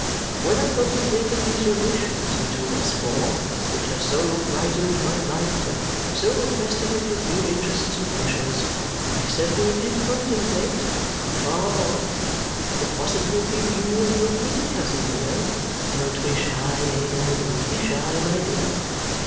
When I contemplated these relations between us four which have so brightened my life and so invested it with new interests and pleasures, I certainly did contemplate, afar off, the possibility of you and your pretty cousin here (don't be shy, Ada, don't be shy, my dear!)